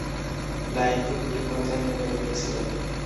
লাইনটি দুটি পর্যায়ে নির্মিত হয়েছিল।